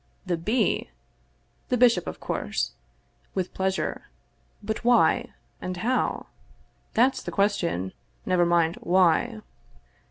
The B.? The bishop, of course. With pleasure. But why ? And how ? That's the question, never mind "why."